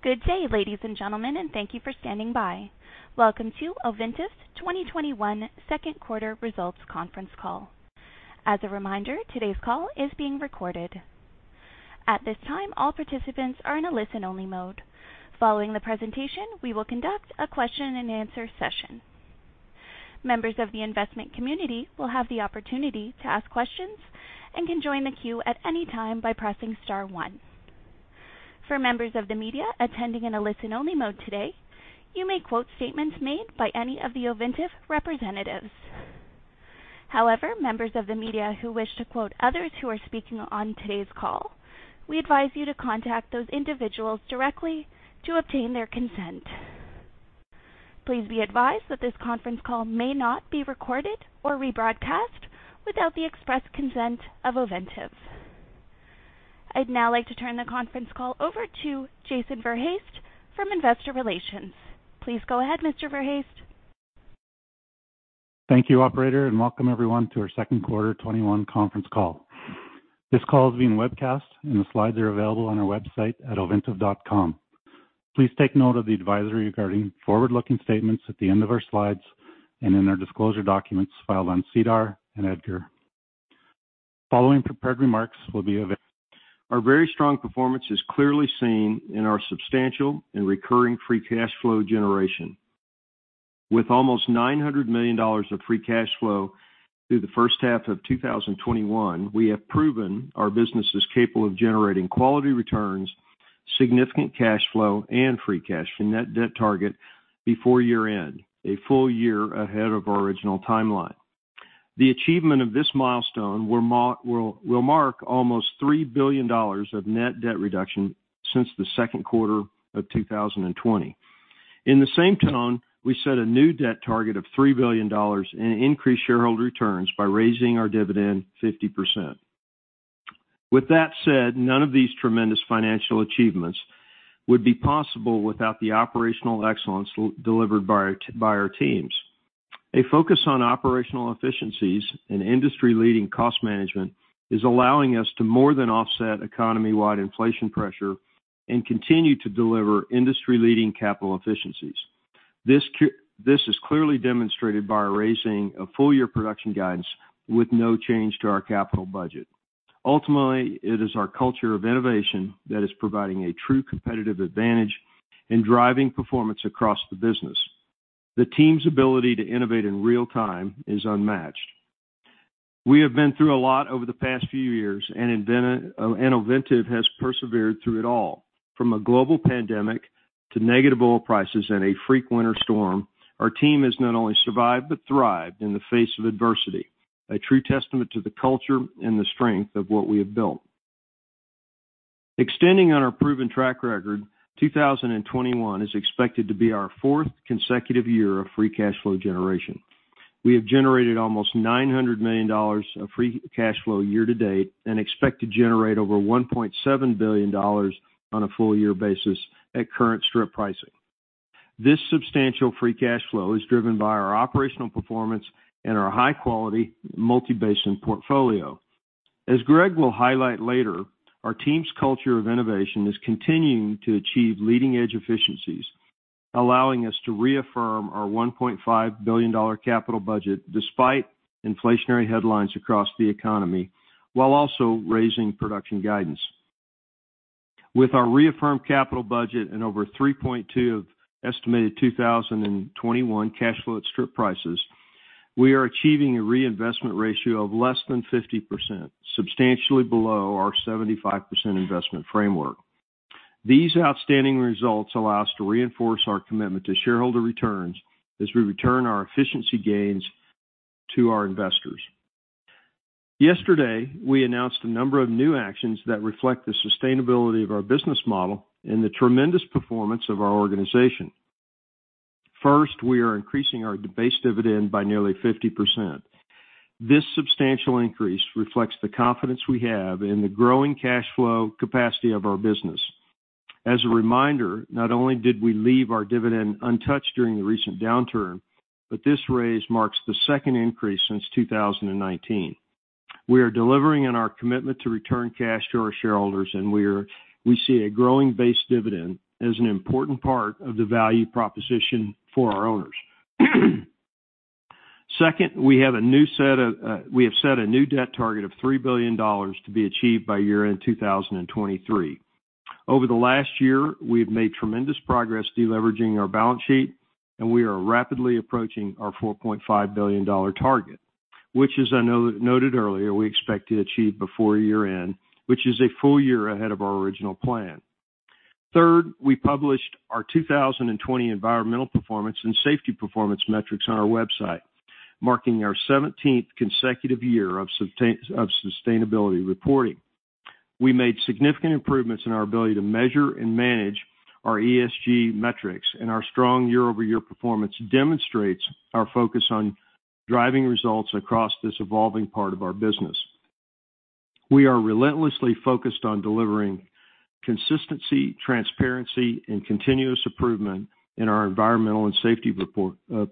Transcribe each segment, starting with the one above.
Good day, ladies and gentlemen, and thank you for standing by. Welcome to Ovintiv's 2021 second quarter results conference call. As a reminder, today's call is being recorded. At this time, all participants are in a listen-only mode. Following the presentation, we will conduct a question and answer session. Members of the investment community will have the opportunity to ask question and can join the queue at anytime by pressing star one. For members of the media attending in a listen-only mode today, you may quote statements made by any of the Ovintiv representatives. However, members of the media who wish to quote others who are speaking on today's call, we advise you to contact those individuals directly to obtain their consent. Please be advised that this conference call may not be recorded or rebroadcast without the express consent of Ovintiv. I'd now like to turn the conference call over to Jason Verhaest from Investor Relations. Please go ahead, Mr. Verhaest. Thank you, operator, and welcome everyone to our second quarter 2021 conference call. This call is being webcast, and the slides are available on our website at ovintiv.com. Please take note of the advisory regarding forward-looking statements at the end of our slides and in our disclosure documents filed on SEDAR and EDGAR. Following prepared remarks will be available. Our very strong performance is clearly seen in our substantial and recurring free cash flow generation. With almost $900 million of free cash flow through the first half of 2021, we have proven our business is capable of generating quality returns, significant cash flow, and free cash to net debt target before year-end, a full year ahead of our original timeline. The achievement of this milestone will mark almost $3 billion of net debt reduction since the second quarter of 2020. In the same tone, we set a new debt target of $3 billion and increased shareholder returns by raising our dividend 50%. With that said, none of these tremendous financial achievements would be possible without the operational excellence delivered by our teams. A focus on operational efficiencies and industry-leading cost management is allowing us to more than offset economy-wide inflation pressure and continue to deliver industry-leading capital efficiencies. This is clearly demonstrated by raising a full-year production guidance with no change to our capital budget. Ultimately, it is our culture of innovation that is providing a true competitive advantage in driving performance across the business. The team's ability to innovate in real time is unmatched. We have been through a lot over the past few years, and Ovintiv has persevered through it all. From a global pandemic to negative oil prices and a freak winter storm, our team has not only survived but thrived in the face of adversity, a true testament to the culture and the strength of what we have built. Extending on our proven track record, 2021 is expected to be our fourth consecutive year of free cash flow generation. We have generated almost $900 million of free cash flow year to date and expect to generate over $1.7 billion on a full-year basis at current strip pricing. This substantial free cash flow is driven by our operational performance and our high-quality multi-basin portfolio. As Greg will highlight later, our team's culture of innovation is continuing to achieve leading-edge efficiencies, allowing us to reaffirm our $1.5 billion capital budget despite inflationary headlines across the economy, while also raising production guidance. With our reaffirmed capital budget and over $3.2 of estimated 2021 cash flow at strip prices, we are achieving a reinvestment ratio of less than 50%, substantially below our 75% investment framework. These outstanding results allow us to reinforce our commitment to shareholder returns as we return our efficiency gains to our investors. Yesterday, we announced a number of new actions that reflect the sustainability of our business model and the tremendous performance of our organization. First, we are increasing our base dividend by nearly 50%. This substantial increase reflects the confidence we have in the growing cash flow capacity of our business. As a reminder, not only did we leave our dividend untouched during the recent downturn, but this raise marks the second increase since 2019. We are delivering on our commitment to return cash to our shareholders, and we see a growing base dividend as an important part of the value proposition for our owners. Second, we have set a new debt target of $3 billion to be achieved by year-end 2023. Over the last year, we have made tremendous progress de-leveraging our balance sheet, and we are rapidly approaching our $4.5 billion target, which, as I noted earlier, we expect to achieve before year-end, which is a full year ahead of our original plan. Third, we published our 2020 environmental performance and safety performance metrics on our website, marking our 17th consecutive year of sustainability reporting. We made significant improvements in our ability to measure and manage our ESG metrics, and our strong year-over-year performance demonstrates our focus on driving results across this evolving part of our business. We are relentlessly focused on delivering consistency, transparency, and continuous improvement in our environmental and safety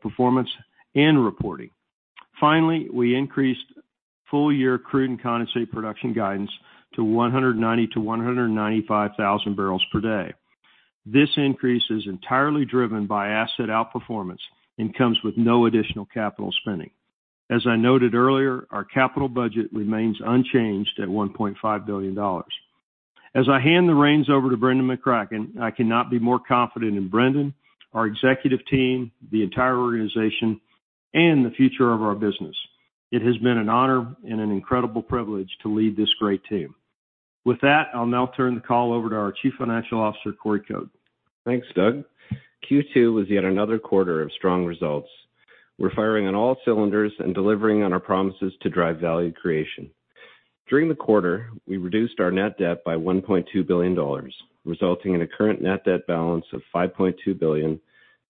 performance and reporting. Finally, we increased full-year crude and condensate production guidance to 190,000 bpd-195,000 bpd. This increase is entirely driven by asset outperformance and comes with no additional capital spending. As I noted earlier, our capital budget remains unchanged at $1.5 billion. As I hand the reins over to Brendan McCracken, I cannot be more confident in Brendan, our executive team, the entire organization, and the future of our business. It has been an honor and an incredible privilege to lead this great team. With that, I'll now turn the call over to our Chief Financial Officer, Corey Code. Thanks, Doug. Q2 was yet another quarter of strong results. We're firing on all cylinders and delivering on our promises to drive value creation. During the quarter, we reduced our net debt by $1.2 billion, resulting in a current net debt balance of $5.2 billion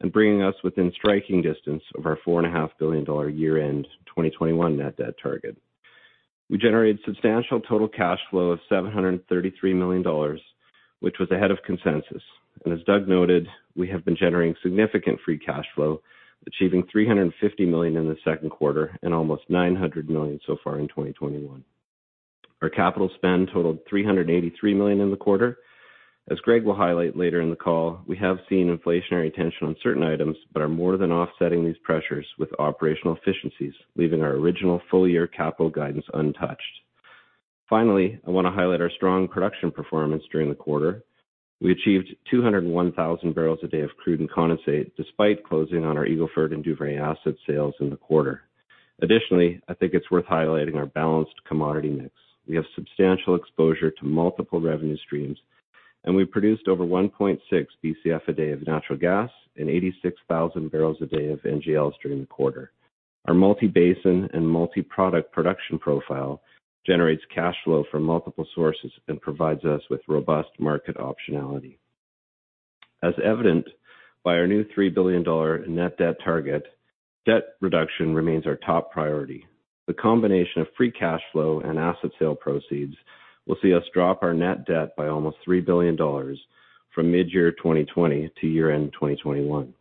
and bringing us within striking distance of our $4.5 billion year-end 2021 net debt target. We generated substantial total cash flow of $733 million, which was ahead of consensus. As Doug noted, we have been generating significant free cash flow, achieving $350 million in the second quarter and almost $900 million so far in 2021. Our capital spend totaled $383 million in the quarter. As Greg will highlight later in the call, we have seen inflationary tension on certain items but are more than offsetting these pressures with operational efficiencies, leaving our original full-year capital guidance untouched. Finally, I want to highlight our strong production performance during the quarter. We achieved 201,000 bpd of crude and condensate, despite closing on our Eagle Ford and Duvernay asset sales in the quarter. Additionally, I think it's worth highlighting our balanced commodity mix. We have substantial exposure to multiple revenue streams, and we produced over 1.6 bcfd of natural gas and 86,000 bpd of NGLs during the quarter. Our multi-basin and multi-product production profile generates cash flow from multiple sources and provides us with robust market optionality. As evident by our new $3 billion net debt target, debt reduction remains our top priority. The combination of free cash flow and asset sale proceeds will see us drop our net debt by almost $3 billion from mid-year 2020 to year-end 2021.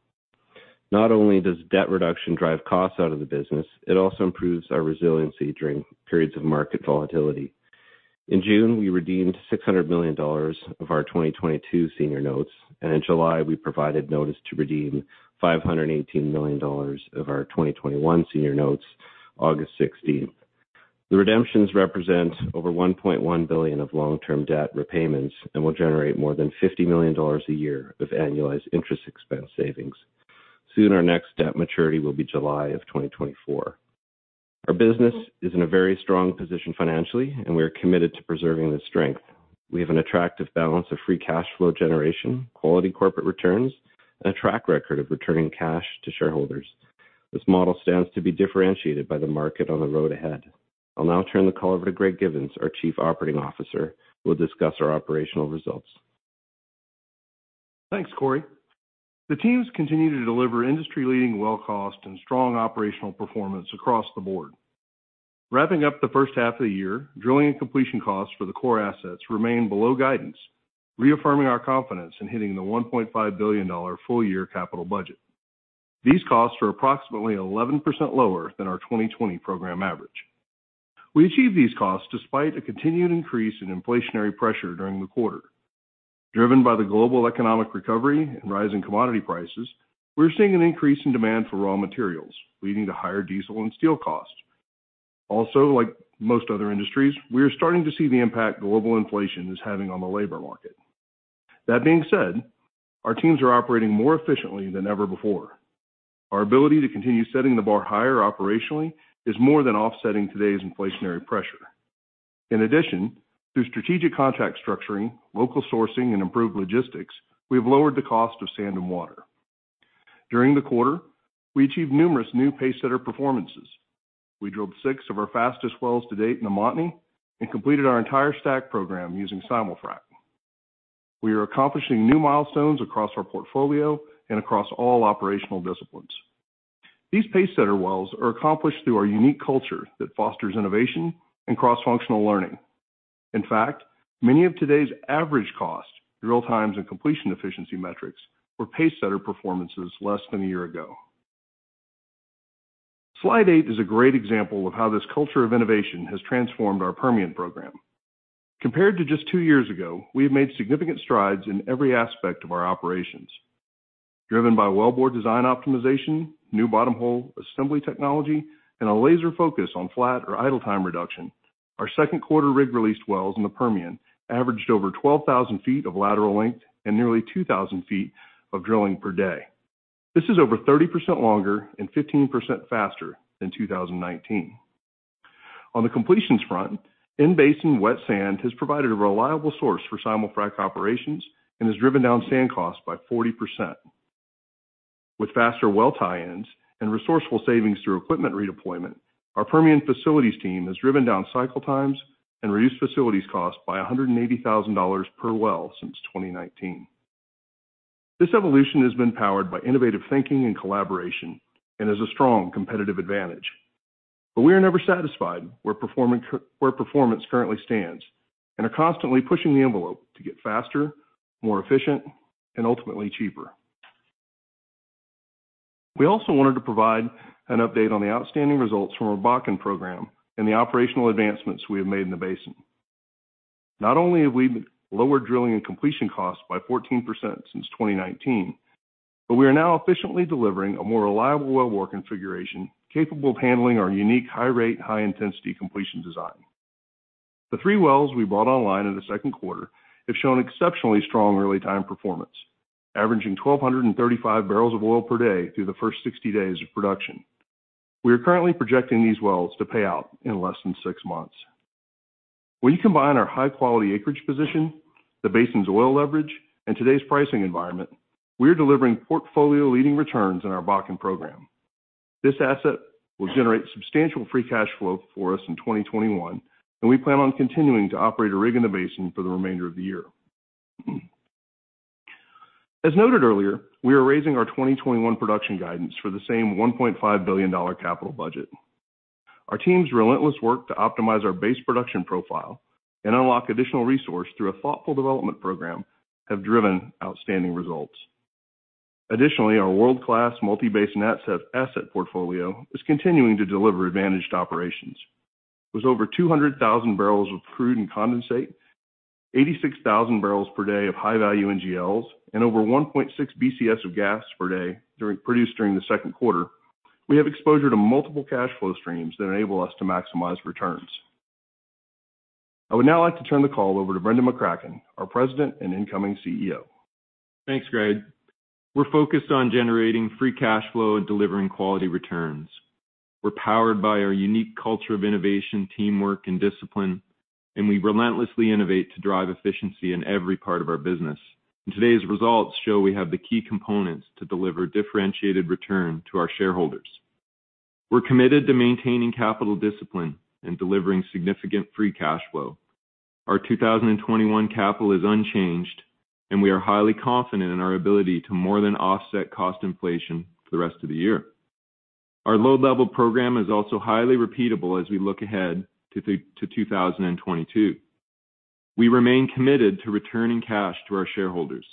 Not only does debt reduction drive costs out of the business, it also improves our resiliency during periods of market volatility. In June, we redeemed $600 million of our 2022 senior notes, and in July, we provided notice to redeem $518 million of our 2021 senior notes August 16th. The redemptions represent over $1.1 billion of long-term debt repayments and will generate more than $50 million a year of annualized interest expense savings. Soon, our next debt maturity will be July of 2024. Our business is in a very strong position financially, and we are committed to preserving this strength. We have an attractive balance of free cash flow generation, quality corporate returns, and a track record of returning cash to shareholders. This model stands to be differentiated by the market on the road ahead. I'll now turn the call over to Greg Givens, our Chief Operating Officer, who will discuss our operational results. Thanks, Corey. The teams continue to deliver industry-leading well cost and strong operational performance across the board. Wrapping up the first half of the year, drilling and completion costs for the core assets remain below guidance, reaffirming our confidence in hitting the $1.5 billion full-year capital budget. These costs are approximately 11% lower than our 2020 program average. We achieved these costs despite a continued increase in inflationary pressure during the quarter. Driven by the global economic recovery and rising commodity prices, we're seeing an increase in demand for raw materials, leading to higher diesel and steel costs. Like most other industries, we are starting to see the impact global inflation is having on the labor market. That being said, our teams are operating more efficiently than ever before. Our ability to continue setting the bar higher operationally is more than offsetting today's inflationary pressure. In addition, through strategic contract structuring, local sourcing, and improved logistics, we've lowered the cost of sand and water. During the quarter, we achieved numerous new pacesetter performances. We drilled six of our fastest wells to date in the Montney and completed our entire STACK program using simul-frac. We are accomplishing new milestones across our portfolio and across all operational disciplines. These pacesetter wells are accomplished through our unique culture that fosters innovation and cross-functional learning. In fact, many of today's average cost, drill times, and completion efficiency metrics were pacesetter performances less than a year ago. Slide eight is a great example of how this culture of innovation has transformed our Permian program. Compared to just two years ago, we have made significant strides in every aspect of our operations. Driven by wellbore design optimization, new bottom hole assembly technology, and a laser focus on flat or idle time reduction, our second quarter rig release wells in the Permian averaged over 12,000 ft of lateral length and nearly 2,000 ft of drilling per day. This is over 30% longer and 15% faster than 2019. On the completions front, in-basin wet sand has provided a reliable source for simul-frac operations and has driven down sand costs by 40%. With faster well tie-ins and resourceful savings through equipment redeployment, our Permian facilities team has driven down cycle times and reduced facilities costs by $180,000 per well since 2019. This evolution has been powered by innovative thinking and collaboration and is a strong competitive advantage. We are never satisfied where performance currently stands and are constantly pushing the envelope to get faster, more efficient, and ultimately cheaper. We also wanted to provide an update on the outstanding results from our Bakken program and the operational advancements we have made in the basin. Not only have we lowered drilling and completion costs by 14% since 2019, but we are now efficiently delivering a more reliable well work configuration capable of handling our unique high rate, high intensity completion design. The three wells we brought online in the second quarter have shown exceptionally strong early time performance, averaging 1,235 bbl of oil per day through the first 60 days of production. We are currently projecting these wells to pay out in less than six months. When you combine our high-quality acreage position, the basin's oil leverage, and today's pricing environment, we are delivering portfolio-leading returns in our Bakken program. This asset will generate substantial free cash flow for us in 2021, and we plan on continuing to operate a rig in the basin for the remainder of the year. As noted earlier, we are raising our 2021 production guidance for the same $1.5 billion capital budget. Our team's relentless work to optimize our base production profile and unlock additional resource through a thoughtful development program have driven outstanding results. Additionally, our world-class multi-basin asset portfolio is continuing to deliver advantaged operations. With over 200,000 bbl of crude and condensate, 86,000 bbl per day of high-value NGLs, and over 1.6 bcf of gas per day produced during the second quarter, we have exposure to multiple cash flow streams that enable us to maximize returns. I would now like to turn the call over to Brendan McCracken, our President and incoming CEO. Thanks, Greg. We're focused on generating free cash flow and delivering quality returns. We're powered by our unique culture of innovation, teamwork and discipline, and we relentlessly innovate to drive efficiency in every part of our business. Today's results show we have the key components to deliver differentiated return to our shareholders. We're committed to maintaining capital discipline and delivering significant free cash flow. Our 2021 capital is unchanged, and we are highly confident in our ability to more than offset cost inflation for the rest of the year. Our load level program is also highly repeatable as we look ahead to 2022. We remain committed to returning cash to our shareholders.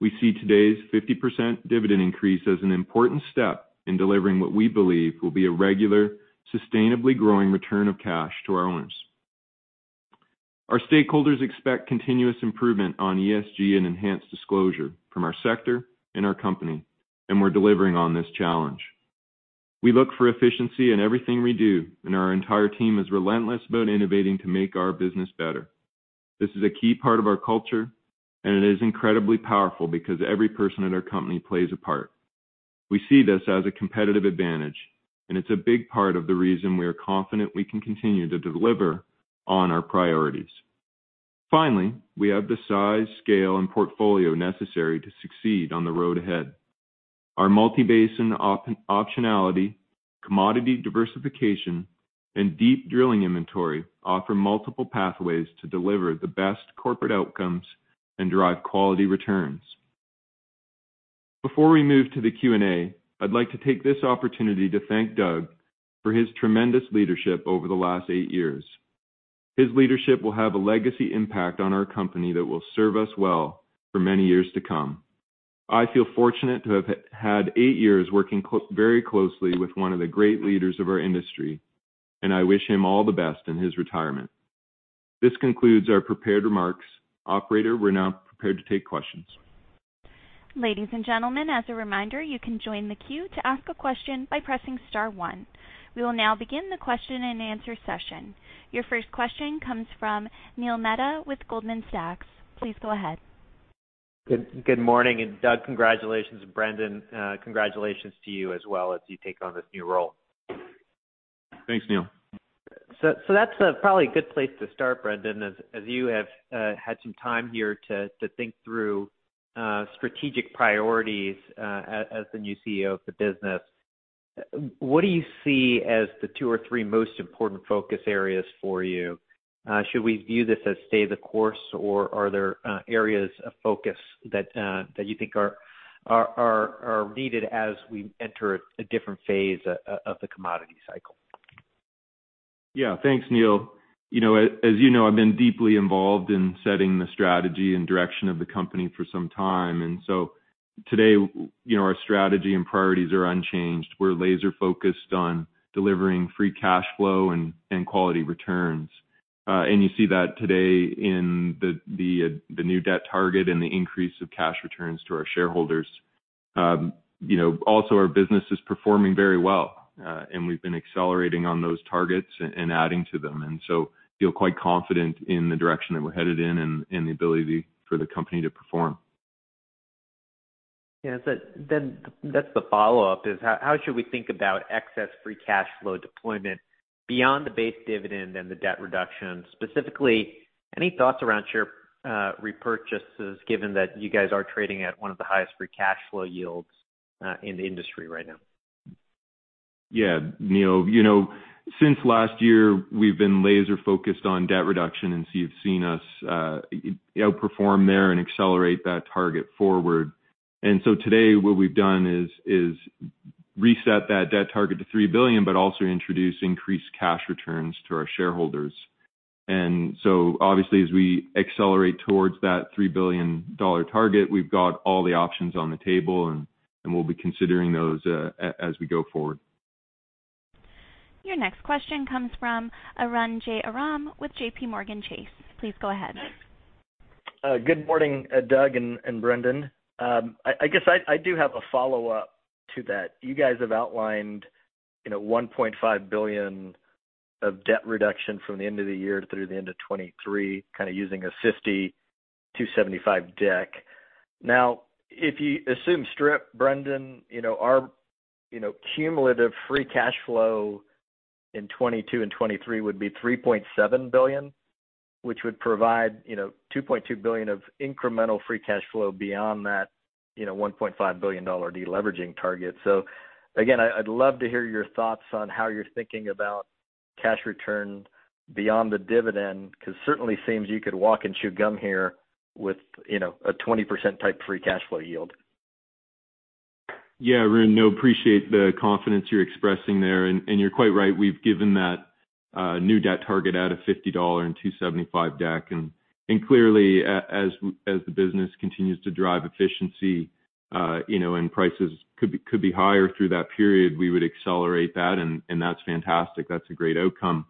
We see today's 50% dividend increase as an important step in delivering what we believe will be a regular, sustainably growing return of cash to our owners. Our stakeholders expect continuous improvement on ESG and enhanced disclosure from our sector and our company, and we're delivering on this challenge. We look for efficiency in everything we do, and our entire team is relentless about innovating to make our business better. This is a key part of our culture, and it is incredibly powerful because every person at our company plays a part. We see this as a competitive advantage, and it's a big part of the reason we are confident we can continue to deliver on our priorities. Finally, we have the size, scale and portfolio necessary to succeed on the road ahead. Our multi-basin optionality, commodity diversification, and deep drilling inventory offer multiple pathways to deliver the best corporate outcomes and drive quality returns. Before we move to the Q&A, I'd like to take this opportunity to thank Doug for his tremendous leadership over the last eight years. His leadership will have a legacy impact on our company that will serve us well for many years to come. I feel fortunate to have had eight years working very closely with one of the great leaders of our industry, and I wish him all the best in his retirement. This concludes our prepared remarks. Operator, we're now prepared to take questions. Ladies and gentlemen, as a reminder, you can join the queue to ask a question by pressing star one. We will now begin the question and answer session. Your first question comes from Neil Mehta with Goldman Sachs. Please go ahead. Good morning. Doug, congratulations. Brendan, congratulations to you as well as you take on this new role. Thanks, Neil. That's probably a good place to start, Brendan, as you have had some time here to think through strategic priorities as the new CEO of the business. What do you see as the two or three most important focus areas for you? Should we view this as stay the course, or are there areas of focus that you think are needed as we enter a different phase of the commodity cycle? Yeah. Thanks, Neil. As you know, I've been deeply involved in setting the strategy and direction of the company for some time. Today, our strategy and priorities are unchanged. We're laser-focused on delivering free cash flow and quality returns. You see that today in the new debt target and the increase of cash returns to our shareholders. Also, our business is performing very well. We've been accelerating on those targets and adding to them. I feel quite confident in the direction that we're headed in and the ability for the company to perform. That's the follow-up is how should we think about excess free cash flow deployment beyond the base dividend and the debt reduction? Specifically, any thoughts around share repurchases given that you guys are trading at one of the highest free cash flow yields in the industry right now? Neil, since last year, we've been laser-focused on debt reduction, and so you've seen us outperform there and accelerate that target forward. Today, what we've done is reset that debt target to $3 billion, but also introduce increased cash returns to our shareholders. Obviously, as we accelerate towards that $3 billion target, we've got all the options on the table, and we'll be considering those as we go forward. Your next question comes from Arun Jayaram with JPMorgan Chase. Please go ahead. Good morning, Doug and Brendan. I guess I do have a follow-up to that. You guys have outlined $1.5 billion of debt reduction from the end of the year through the end of 2023, kind of using a $50-$75 deck. If you assume strip, Brendan, our cumulative free cash flow in 2022 and 2023 would be $3.7 billion, which would provide $2.2 billion of incremental free cash flow beyond that $1.5 billion deleveraging target. Again, I'd love to hear your thoughts on how you're thinking about cash return beyond the dividend, because certainly seems you could walk and chew gum here with a 20% type free cash flow yield. Yeah, Arun. No, appreciate the confidence you're expressing there. You're quite right. We've given that new debt target at a $50 and $2.75 deck. Clearly, as the business continues to drive efficiency, prices could be higher through that period, we would accelerate that. That's fantastic. That's a great outcome.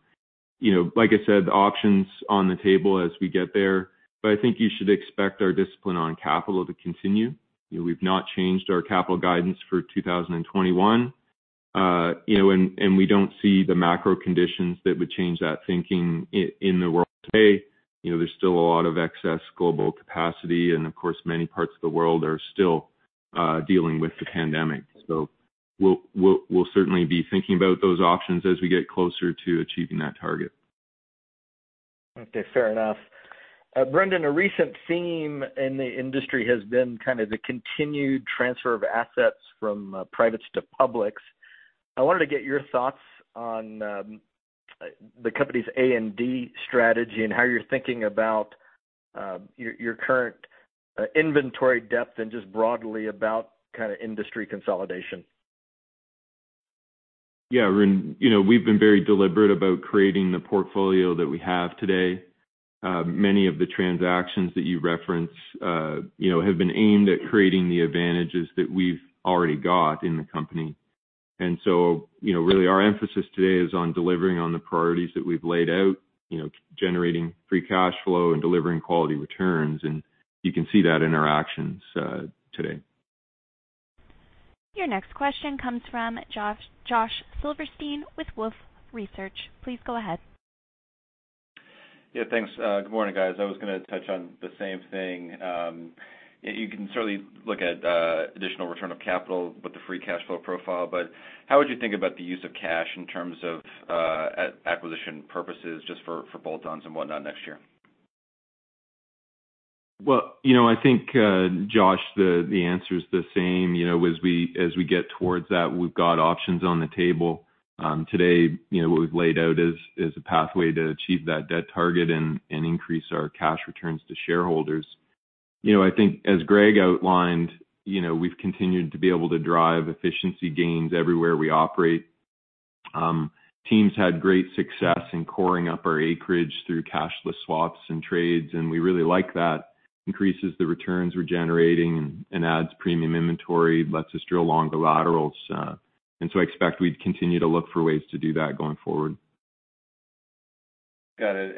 Like I said, the options on the table as we get there. I think you should expect our discipline on capital to continue. We've not changed our capital guidance for 2021. We don't see the macro conditions that would change that thinking in the world today. There's still a lot of excess global capacity. Of course, many parts of the world are still dealing with the pandemic. We'll certainly be thinking about those options as we get closer to achieving that target. Okay, fair enough. Brendan, a recent theme in the industry has been kind of the continued transfer of assets from privates to publics. I wanted to get your thoughts on the company's A&D strategy and how you're thinking about your current inventory depth and just broadly about industry consolidation. Yeah, Arun. We've been very deliberate about creating the portfolio that we have today. Many of the transactions that you reference have been aimed at creating the advantages that we've already got in the company. Really our emphasis today is on delivering on the priorities that we've laid out, generating free cash flow and delivering quality returns, and you can see that in our actions today. Your next question comes from Josh Silverstein with Wolfe Research. Please go ahead. Yeah, thanks. Good morning, guys. I was going to touch on the same thing. You can certainly look at additional return of capital with the free cash flow profile, but how would you think about the use of cash in terms of acquisition purposes just for bolt-ons and whatnot next year? Well, I think, Josh, the answer is the same. As we get towards that, we've got options on the table. Today, what we've laid out is a pathway to achieve that debt target and increase our cash returns to shareholders. I think as Greg outlined, we've continued to be able to drive efficiency gains everywhere we operate. Teams had great success in coring up our acreage through cashless swaps and trades. We really like that. Increases the returns we're generating and adds premium inventory, lets us drill longer laterals. I expect we'd continue to look for ways to do that going forward. Got it.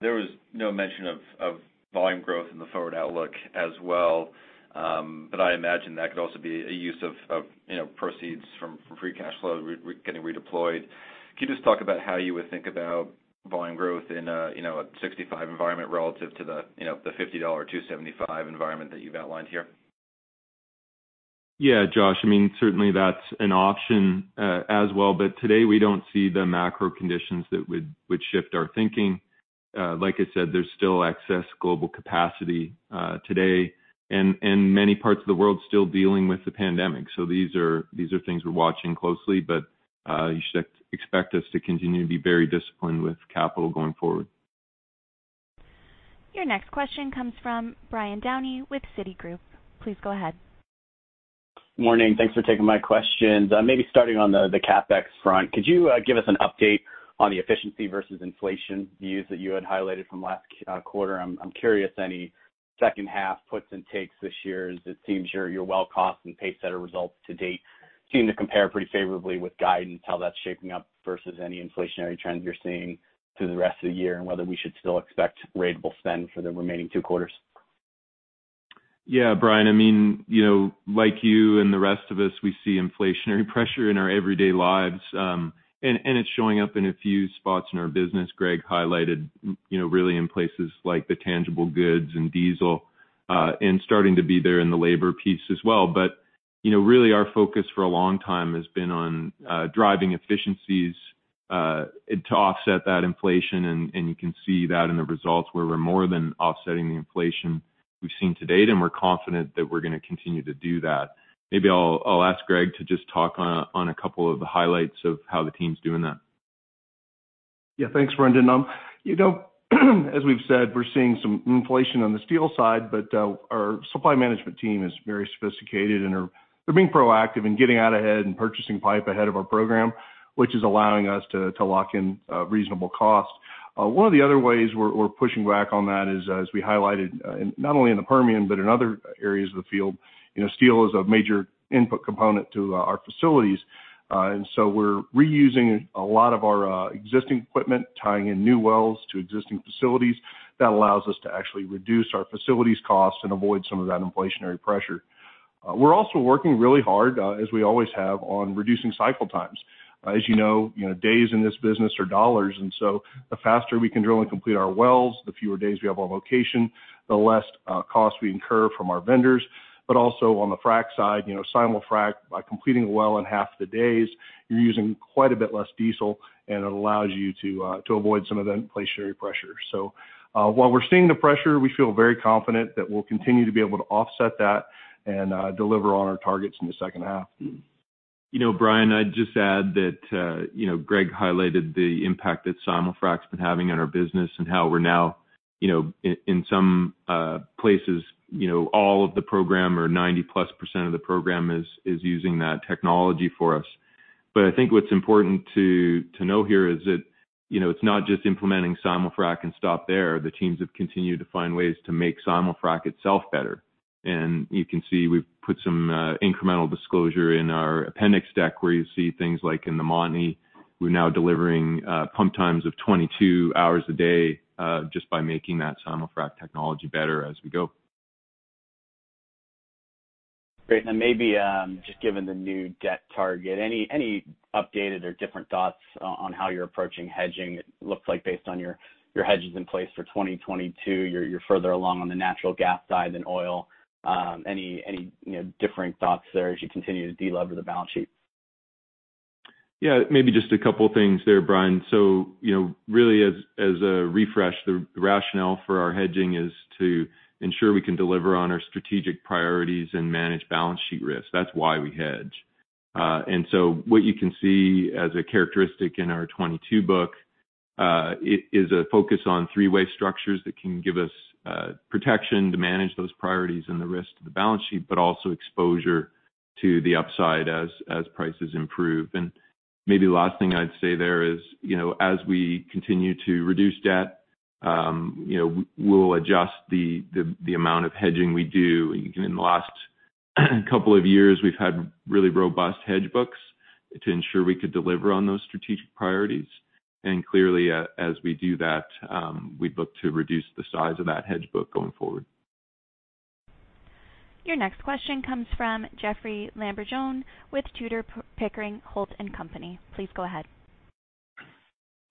There was no mention of volume growth in the forward outlook as well, but I imagine that could also be a use of proceeds from free cash flow getting redeployed. Can you just talk about how you would think about volume growth in a $65 environment relative to the $50, $2.75 environment that you've outlined here? Yeah, Josh. Certainly, that's an option as well. Today, we don't see the macro conditions that would shift our thinking. Like I said, there's still excess global capacity today and many parts of the world still dealing with the pandemic. These are things we're watching closely, but you should expect us to continue to be very disciplined with capital going forward. Your next question comes from Brian Downey with Citigroup. Please go ahead. Morning. Thanks for taking my questions. Maybe starting on the CapEx front, could you give us an update on the efficiency versus inflation views that you had highlighted from last quarter? I'm curious, any second half puts and takes this year as it seems your well cost and pacesetter results to date seem to compare pretty favorably with guidance, how that's shaping up versus any inflationary trends you're seeing through the rest of the year and whether we should still expect ratable spend for the remaining two quarters. Yeah, Brian. Like you and the rest of us, we see inflationary pressure in our everyday lives. It's showing up in a few spots in our business. Greg highlighted really in places like the tangible goods and diesel, and starting to be there in the labor piece as well. Really our focus for a long time has been on driving efficiencies to offset that inflation, and you can see that in the results where we're more than offsetting the inflation we've seen to date, and we're confident that we're going to continue to do that. Maybe I'll ask Greg to just talk on a couple of the highlights of how the team's doing that. Yeah. Thanks, Brendan. As we've said, we're seeing some inflation on the steel side, but our supply management team is very sophisticated, and they're being proactive and getting out ahead and purchasing pipe ahead of our program. Which is allowing us to lock in reasonable cost. One of the other ways we're pushing back on that is, as we highlighted, not only in the Permian but in other areas of the field, steel is a major input component to our facilities. We're reusing a lot of our existing equipment, tying in new wells to existing facilities. That allows us to actually reduce our facilities costs and avoid some of that inflationary pressure. We're also working really hard, as we always have, on reducing cycle times. As you know, days in this business are dollars, and so the faster we can drill and complete our wells, the fewer days we have on location, the less cost we incur from our vendors. Also on the frac side, simul-frac, by completing a well in half the days, you're using quite a bit less diesel, and it allows you to avoid some of the inflationary pressure. While we're seeing the pressure, we feel very confident that we'll continue to be able to offset that and deliver on our targets in the second half. Brian, I'd just add that Greg highlighted the impact that simul-frac's been having on our business and how we're now, in some places, all of the program or 90+% of the program is using that technology for us. I think what's important to know here is that it's not just implementing simul-frac and stop there. The teams have continued to find ways to make simul-frac itself better. You can see we've put some incremental disclosure in our appendix deck, where you see things like in the Montney, we're now delivering pump times of 22 hours a day just by making that simul-frac technology better as we go. Great. Maybe just given the new debt target, any updated or different thoughts on how you're approaching hedging? It looks like based on your hedges in place for 2022, you're further along on the natural gas side than oil. Any differing thoughts there as you continue to de-lever the balance sheet? Yeah, maybe just a couple of things there, Brian. Really, as a refresh, the rationale for our hedging is to ensure we can deliver on our strategic priorities and manage balance sheet risks. That's why we hedge. What you can see as a characteristic in our 2022 book is a focus on three-way collar that can give us protection to manage those priorities and the risk to the balance sheet, but also exposure to the upside as prices improve. Maybe the last thing I'd say there is, as we continue to reduce debt, we'll adjust the amount of hedging we do. In the last couple of years, we've had really robust hedge books to ensure we could deliver on those strategic priorities. Clearly, as we do that, we'd look to reduce the size of that hedge book going forward. Your next question comes from Jeoffrey Lambujon with Tudor, Pickering, Holt & Co. Please go ahead.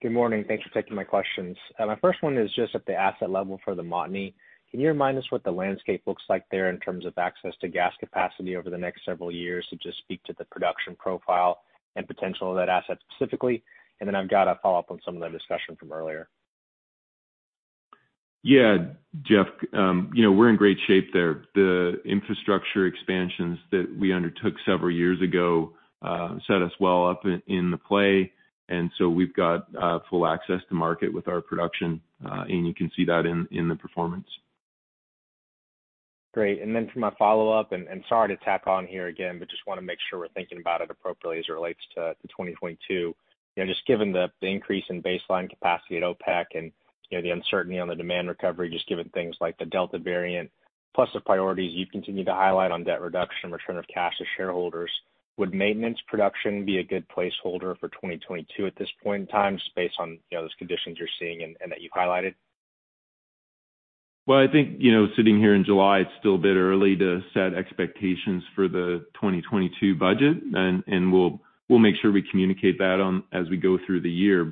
Good morning. Thanks for taking my questions. My first one is just at the asset level for the Montney. Can you remind us what the landscape looks like there in terms of access to gas capacity over the next several years? Just speak to the production profile and potential of that asset specifically. I've got a follow-up on some of the discussion from earlier. Jeoff, we're in great shape there. The infrastructure expansions that we undertook several years ago set us well up in the play, and so we've got full access to market with our production, and you can see that in the performance. Great, then for my follow-up, and sorry to tack on here again, but just want to make sure we're thinking about it appropriately as it relates to 2022. Just given the increase in baseline capacity at OPEC and the uncertainty on the demand recovery, just given things like the Delta variant, plus the priorities you continue to highlight on debt reduction, return of cash to shareholders, would maintenance production be a good placeholder for 2022 at this point in time, just based on those conditions you're seeing and that you've highlighted? Well, I think, sitting here in July, it's still a bit early to set expectations for the 2022 budget, and we'll make sure we communicate that as we go through the year.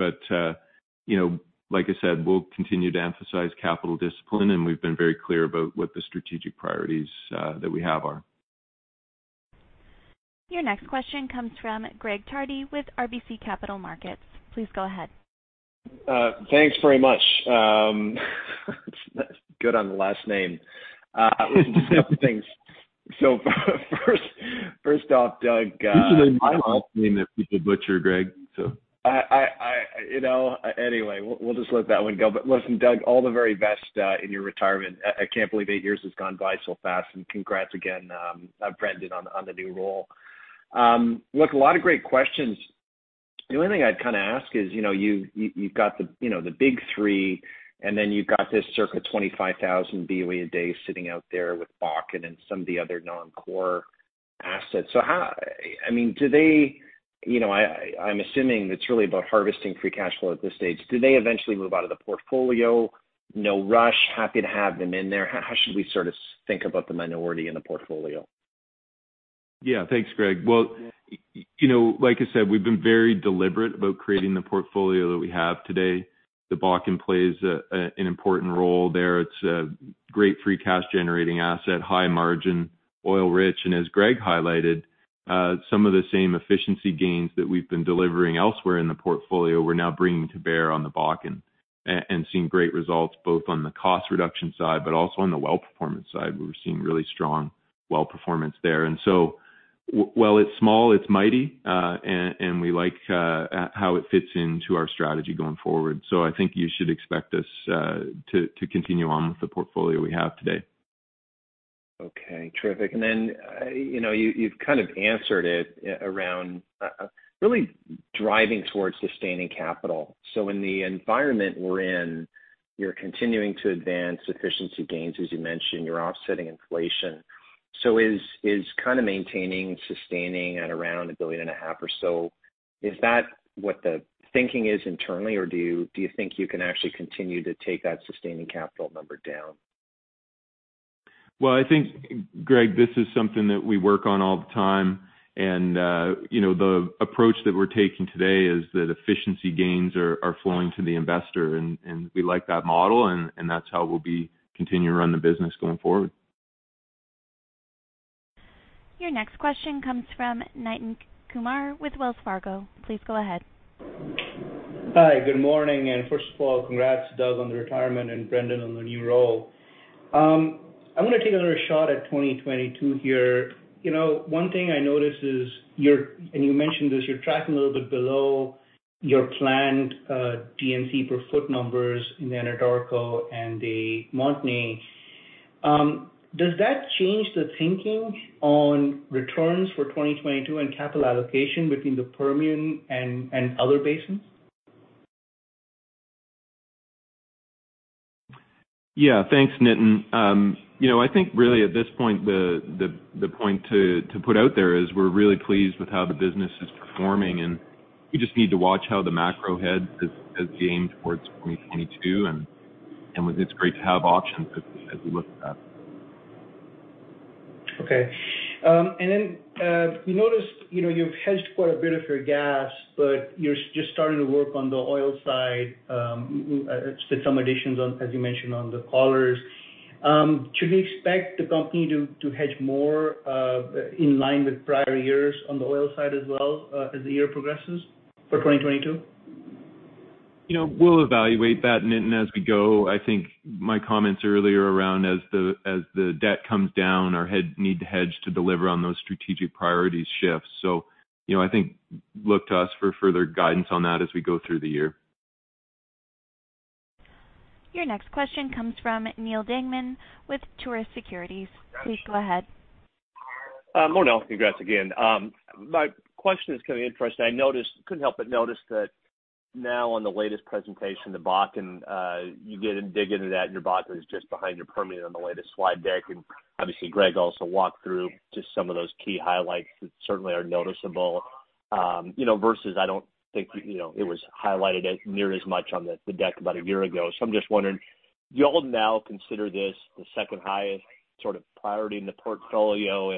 Like I said, we'll continue to emphasize capital discipline, and we've been very clear about what the strategic priorities that we have are. Your next question comes from Greg Pardy with RBC Capital Markets. Please go ahead. Thanks very much. That's good on the last name. Listen to several things. First off, Doug. This is my last name that people butcher, Greg. We'll just let that one go. Listen, Doug, all the very best in your retirement. I can't believe eight years has gone by so fast, and congrats again, Brendan, on the new role. A lot of great questions. The only thing I'd ask is you've got the big three, and then you've got this circa 25,000 boe a day sitting out there with Bakken and some of the other non-core assets. I'm assuming it's really about harvesting free cash flow at this stage. Do they eventually move out of the portfolio? No rush, happy to have them in there. How should we sort of think about the minority in the portfolio? Thanks, Greg. Well, like I said, we've been very deliberate about creating the portfolio that we have today. The Bakken plays an important role there. It's a great free cash-generating asset, high margin, oil-rich, and as Greg highlighted, some of the same efficiency gains that we've been delivering elsewhere in the portfolio, we're now bringing to bear on the Bakken and seeing great results, both on the cost reduction side, but also on the well performance side. We're seeing really strong well performance there. While it's small, it's mighty, and we like how it fits into our strategy going forward. I think you should expect us to continue on with the portfolio we have today. Okay, terrific. Then you've kind of answered it around really driving towards sustaining capital. In the environment we're in, you're continuing to advance efficiency gains, as you mentioned, you're offsetting inflation. Is kind of maintaining, sustaining at around a billion and a half or so, is that what the thinking is internally, or do you think you can actually continue to take that sustaining capital number down? Well, I think, Greg, this is something that we work on all the time, and the approach that we're taking today is that efficiency gains are flowing to the investor, and we like that model, and that's how we'll be continuing to run the business going forward. Your next question comes from Nitin Kumar with Wells Fargo. Please go ahead. Hi. Good morning. First of all, congrats, Doug, on the retirement and Brendan on the new role. I want to take another shot at 2022 here. One thing I noticed is, you mentioned this, you're tracking a little bit below your planned D&C per foot numbers in the Anadarko and the Montney. Does that change the thinking on returns for 2022 and capital allocation between the Permian and other basins? Thanks, Nitin. I think really at this point, the point to put out there is we're really pleased with how the business is performing, and we just need to watch how the macro headwinds towards 2022, and it's great to have options as we look at that. Okay. We noticed you've hedged quite a bit of your gas, but you're just starting to work on the oil side, did some additions on, as you mentioned, on the collars. Should we expect the company to hedge more in line with prior years on the oil side as well, as the year progresses for 2022? We'll evaluate that, Nitin, as we go. I think my comments earlier around as the debt comes down, our need to hedge to deliver on those strategic priorities shifts. I think look to us for further guidance on that as we go through the year. Your next question comes from Neal Dingmann with Truist Securities. Please go ahead. Mornell, congrats again. My question is kind of interesting. I couldn't help but notice that now on the latest presentation, the Bakken, you get to dig into that, and your Bakken is just behind your Permian on the latest slide deck, and obviously Greg also walked through just some of those key highlights that certainly are noticeable, versus I don't think it was highlighted near as much on the deck about a year ago. I'm just wondering, do you all now consider this the second highest sort of priority in the portfolio?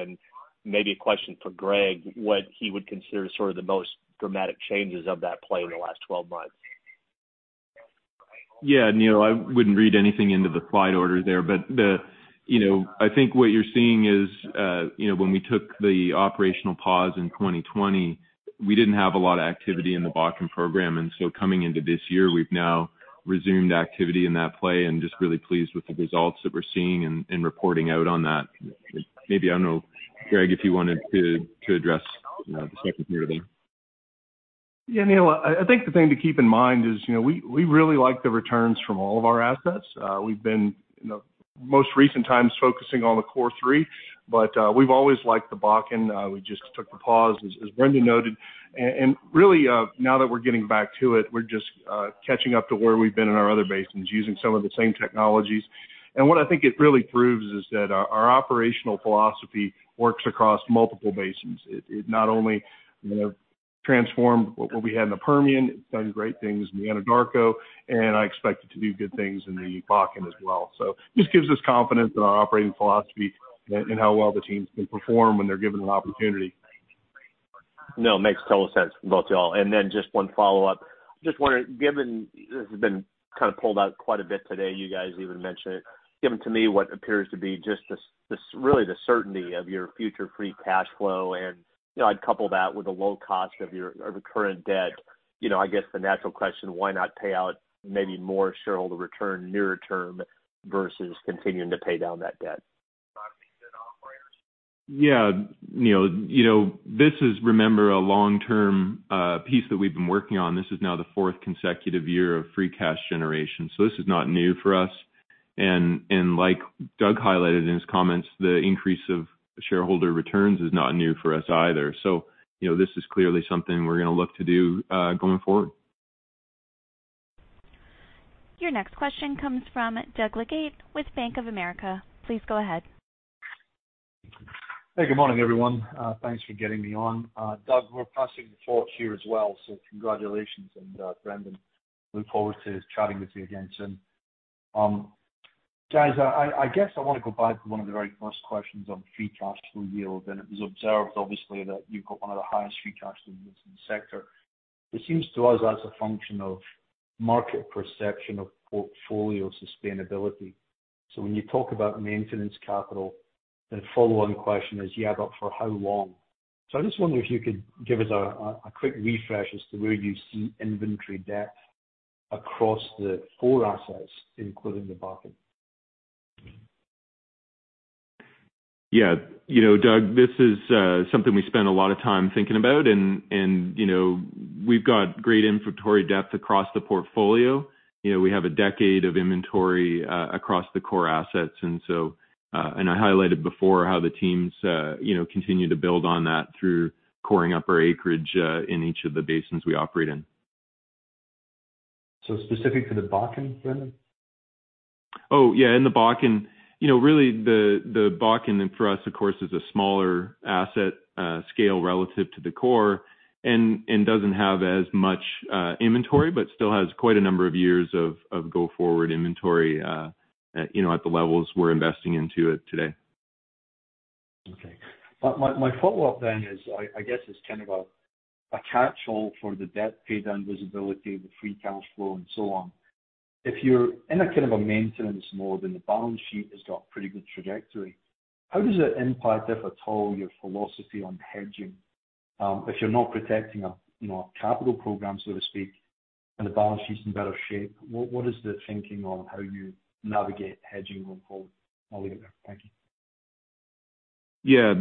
Maybe a question for Greg, what he would consider sort of the most dramatic changes of that play in the last 12 months. Yeah, Neal, I wouldn't read anything into the slide order there. I think what you're seeing is when we took the operational pause in 2020, we didn't have a lot of activity in the Bakken program, coming into this year, we've now resumed activity in that play and just really pleased with the results that we're seeing and reporting out on that. Maybe, I don't know, Greg, if you wanted to address the second part of there. Yeah, Neal, I think the thing to keep in mind is we really like the returns from all of our assets. We've been, in the most recent times, focusing on the core three, but we've always liked the Bakken. We just took the pause, as Brendan noted. Really, now that we're getting back to it, we're just catching up to where we've been in our other basins using some of the same technologies. What I think it really proves is that our operational philosophy works across multiple basins. It not only transformed what we had in the Permian, it's done great things in the Anadarko, and I expect it to do good things in the Bakken as well. Just gives us confidence in our operating philosophy and how well the teams can perform when they're given an opportunity. No, makes total sense from both you all. Then just one follow-up. Just wondering, given this has been kind of pulled out quite a bit today, you guys even mentioned it. Given to me what appears to be just really the certainty of your future free cash flow, and I'd couple that with the low cost of your current debt. I guess the natural question, why not pay out maybe more shareholder return nearer term versus continuing to pay down that debt? Yeah. Neal, this is, remember, a long-term piece that we've been working on. This is now the fourth consecutive year of free cash generation. This is not new for us. Like Doug highlighted in his comments, the increase of shareholder returns is not new for us either. This is clearly something we're going to look to do going forward. Your next question comes from Doug Leggate with Bank of America. Please go ahead. Hey, good morning, everyone. Thanks for getting me on. Doug, we're passing the torch here as well, so congratulations, and Brendan, look forward to chatting with you again soon. Guys, I guess I want to go back to one of the very first questions on free cash flow yield, and it was observed, obviously, that you've got one of the highest free cash flows in the sector. It seems to us that's a function of market perception of portfolio sustainability. When you talk about maintenance capital, the follow-on question is, yeah, but for how long? I just wonder if you could give us a quick refresh as to where you see inventory depth across the four assets, including the Bakken. Yeah. Doug, this is something we spend a lot of time thinking about. We've got great inventory depth across the portfolio. We have a decade of inventory across the core assets. I highlighted before how the teams continue to build on that through coring up our acreage in each of the basins we operate in. Specific to the Bakken, Brendan? Oh, yeah, in the Bakken. Really, the Bakken for us, of course, is a smaller asset scale relative to the core and doesn't have as much inventory, but still has quite a number of years of go-forward inventory at the levels we're investing into it today. Okay. My follow-up then is, I guess it's kind of a catch-all for the debt paydown visibility, the free cash flow, and so on. If you're in a kind of a maintenance mode and the balance sheet has got pretty good trajectory, how does it impact, if at all, your philosophy on hedging? If you're not protecting a capital program, so to speak, and the balance sheet's in better shape, what is the thinking on how you navigate hedging going forward? I'll leave it there. Thank you. Yeah.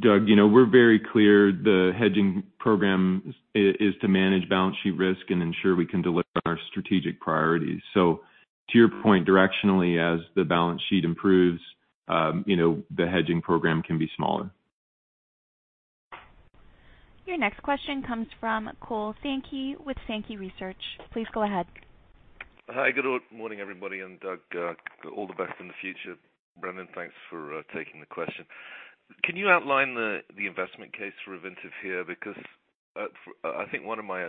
Doug, we're very clear the hedging program is to manage balance sheet risk and ensure we can deliver on our strategic priorities. To your point, directionally, as the balance sheet improves, the hedging program can be smaller. Your next question comes from Paul Sankey with Sankey Research. Please go ahead. Hi. Good morning, everybody, and Doug, all the best in the future. Brendan, thanks for taking the question. Can you outline the investment case for Ovintiv here? Because I think one of my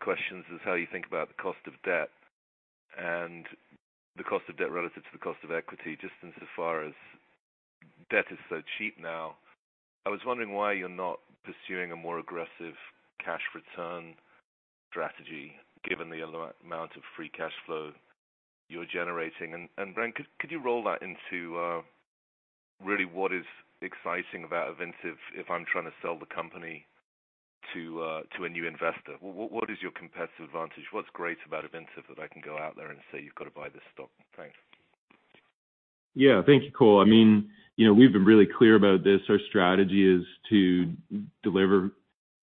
questions is how you think about the cost of debt and the cost of debt relative to the cost of equity, just insofar as debt is so cheap now. I was wondering why you're not pursuing a more aggressive cash return strategy given the amount of free cash flow you're generating. Brendan, could you roll that into really what is exciting about Ovintiv if I'm trying to sell the company to a new investor? What is your competitive advantage? What's great about Ovintiv that I can go out there and say, "You've got to buy this stock"? Thanks. Yeah. Thank you, Paul. We've been really clear about this. Our strategy is to deliver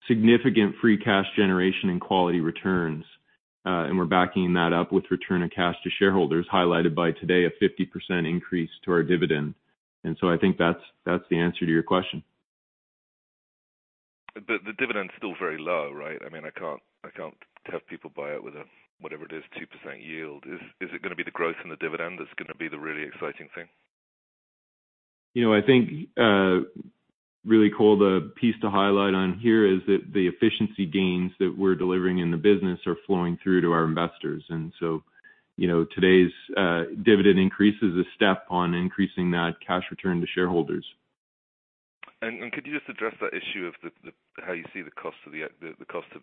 significant free cash generation and quality returns. We're backing that up with return of cash to shareholders, highlighted by today a 50% increase to our dividend. I think that's the answer to your question. The dividend's still very low, right? I can't have people buy it with a, whatever it is, 2% yield. Is it going to be the growth in the dividend that's going to be the really exciting thing? I think, really, Paul, the piece to highlight on here is that the efficiency gains that we're delivering in the business are flowing through to our investors. Today's dividend increase is a step on increasing that cash return to shareholders. Could you just address that issue of how you see the cost of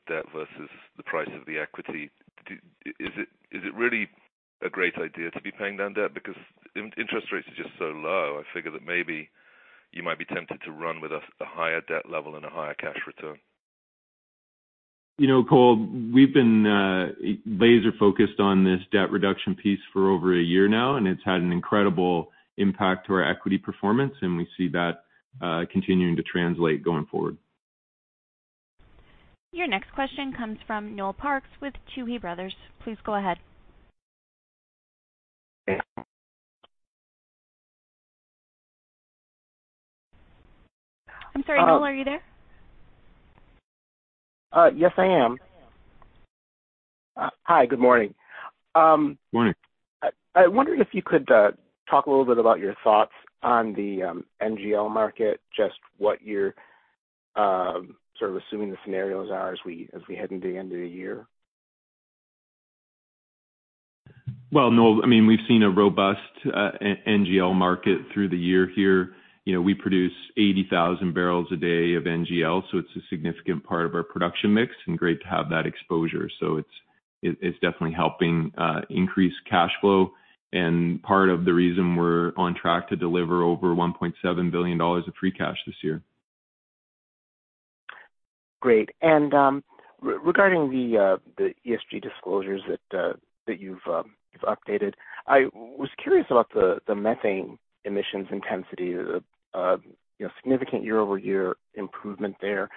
debt versus the price of the equity? Is it really a great idea to be paying down debt? Interest rates are just so low, I figure that maybe you might be tempted to run with a higher debt level and a higher cash return. Paul, we've been laser-focused on this debt reduction piece for over one year now, and it's had an incredible impact to our equity performance, and we see that continuing to translate going forward. Your next question comes from Noel Parks with Tuohy Brothers. Please go ahead. I'm sorry, Noel, are you there? Yes, I am. Hi, good morning. Morning. I wondered if you could talk a little bit about your thoughts on the NGL market, just what you are sort of assuming the scenarios are as we head into the end of the year. Noel, we've seen a robust NGL market through the year here. We produce 80,000 bbl a day of NGL, so it's a significant part of our production mix and great to have that exposure. It's definitely helping increase cash flow and part of the reason we're on track to deliver over $1.7 billion of free cash this year. Great. Regarding the ESG disclosures that you've updated, I was curious about the methane emissions intensity, the significant year-over-year improvement there.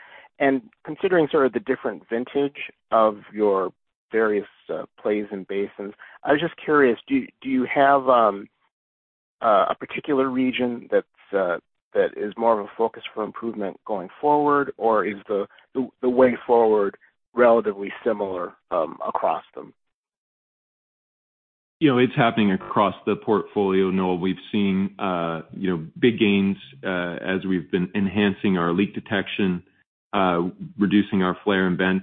Considering sort of the different vintage of your various plays and basins, I was just curious, do you have a particular region that is more of a focus for improvement going forward, or is the way forward relatively similar across them? It's happening across the portfolio, Noel. We've seen big gains as we've been enhancing our leak detection, reducing our flare and vent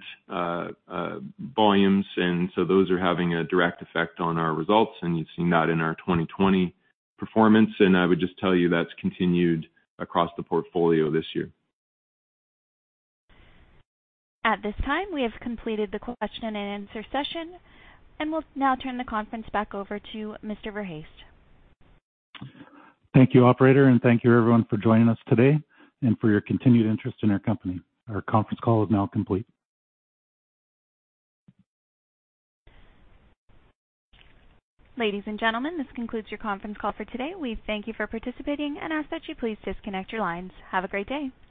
volumes, and so those are having a direct effect on our results, and you've seen that in our 2020 performance, and I would just tell you that's continued across the portfolio this year. At this time, we have completed the question and answer session and will now turn the conference back over to Mr. Verhaest. Thank you, operator, and thank you everyone for joining us today and for your continued interest in our company. Our conference call is now complete. Ladies and gentlemen, this concludes your conference call for today. We thank you for participating and ask that you please disconnect your lines. Have a great day.